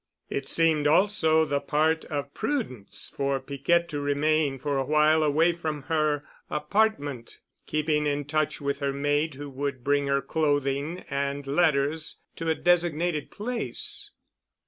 It seemed also the part of prudence for Piquette to remain for awhile away from her apartment, keeping in touch with her maid who would bring her clothing and letters to a designated place.